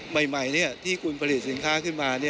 ใหม่ที่คุณผลิตสินค้าขึ้นมา